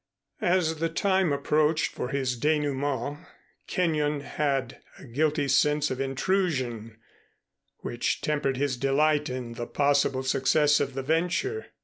As the time approached for his dénouement, Kenyon had a guilty sense of intrusion which tempered his delight in the possible success of the venture.